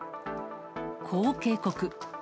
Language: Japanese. こう警告。